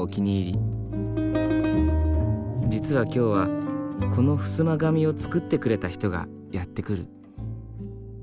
実は今日はこのふすま紙を作ってくれた人がやって来る。